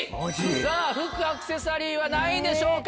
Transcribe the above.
服・アクセサリーは何位でしょうか？